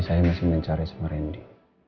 saya masih mencari semua rendi